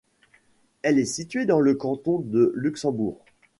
Elle est située dans le canton de Luxembourg.